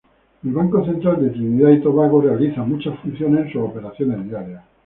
El Banco Central de Trinidad y Tobago realiza muchas funciones en sus operaciones diarias.